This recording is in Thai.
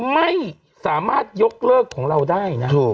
ไม่สามารถยกเลิกของเราได้นะ